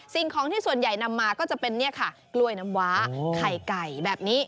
สิ่งของที่ส่วนใหญ่นำมาก็จะเป็นเนี่ยค่ะกล้วยน้ำว้าไข่ไก่แบบนี้